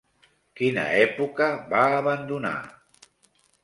Quina època va abandonar?